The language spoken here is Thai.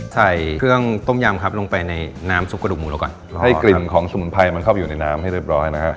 ใส่เครื่องต้มยำครับลงไปในน้ำซุปกระดูกหมูแล้วก่อนให้กลิ่นของสมุนไพรมันเข้าไปอยู่ในน้ำให้เรียบร้อยนะฮะ